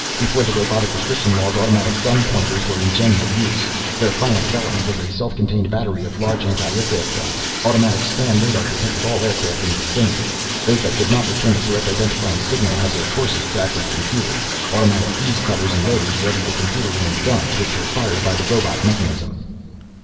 Before the Robotic Restriction Laws automatic gun pointers were in general use. Their final development was a self contained battery of large anti aircraft guns. Automatic scan radar detected all aircraft in the vicinity. Those that could not return the correct identifying signal had their courses tracked and computed, automatic fuse cutters and loaders readied the computer aimed guns which were fired by the robot mechanism."